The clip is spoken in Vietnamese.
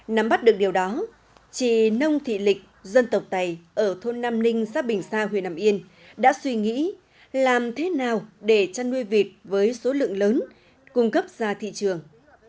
nắm bắt được điều đó chị nông thị lịch dân tộc tày ở thôn nam ninh xã bình sa huyện hàm yên đã suy nghĩ làm thế nào để chăn nuôi vịt với số lượng lớn cung cấp ra thị trường